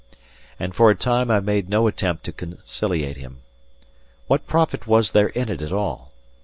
And for a time I made no attempt to conciliate him. What profit was there in it at all?